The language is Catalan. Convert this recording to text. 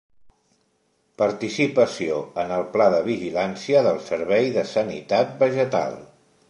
Participació en el Pla de vigilància del Servei de Sanitat Vegetal.